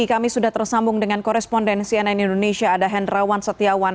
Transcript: kami sudah tersambung dengan korespondensi nn indonesia ada hendrawan setiawan